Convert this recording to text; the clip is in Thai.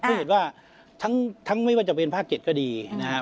ก็เห็นว่าทั้งไม่ว่าจะเป็นภาค๗ก็ดีนะครับ